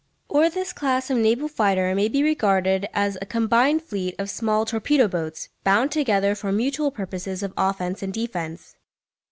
Or this class of naval fighter may be regarded as a combined fleet of small torpedo boats, bound together for mutual purposes of offence and defence.